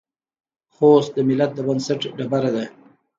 خوست د ملت د بنسټ ډبره ده.